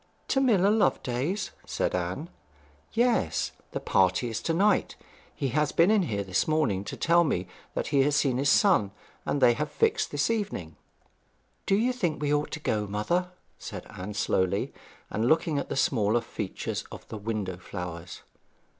'To Miller Loveday's?' said Anne. 'Yes. The party is to night. He has been in here this morning to tell me that he has seen his son, and they have fixed this evening.' 'Do you think we ought to go, mother?' said Anne slowly, and looking at the smaller features of the window flowers.